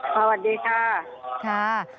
สวัสดีค่ะ